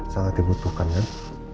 sangat dibutuhkan kan